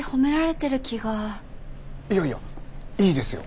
いやいやいいですよ。